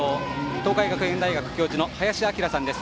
東海学園大教授の林享さんです。